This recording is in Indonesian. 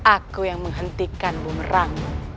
aku yang menghentikan bumerangmu